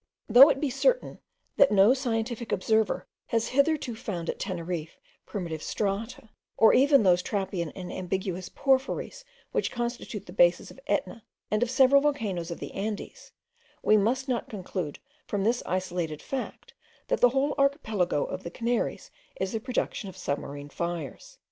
Though it be certain, that no scientific observer has hitherto found at Teneriffe primitive strata, or even those trappean and ambiguous porphyries, which constitute the bases of Etna, and of several volcanoes of the Andes, we must not conclude from this isolated fact, that the whole archipelago of the Canaries is the production of submarine fires.